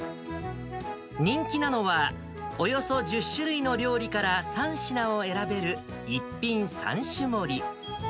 人気なのは、およそ１０種類の料理から３品を選べる、１品３種盛り。